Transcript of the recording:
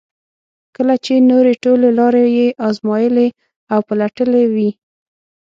کله چې نورې ټولې لارې یې ازمایلې او پلټلې وي.